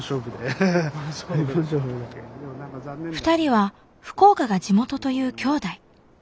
２人は福岡が地元という兄弟。